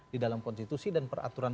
di dalam konstitusi dan peraturan